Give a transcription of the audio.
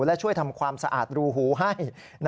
และช่วยทำความสะอาดรูหูให้